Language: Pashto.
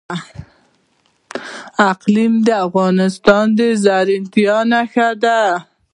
اقلیم د افغانستان د زرغونتیا نښه ده.